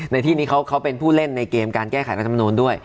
ในที่นี้เขาเป็นผู้เล่นในเกมการแก้ไขรัฐมนูลด้วย